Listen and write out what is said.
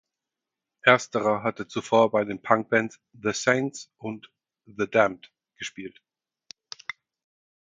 Ersterer hatte zuvor bei den Punk-Bands The Saints und The Damned gespielt.